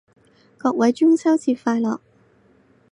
各位中秋節快樂